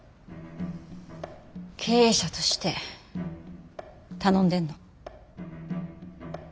経営者として頼んでんの。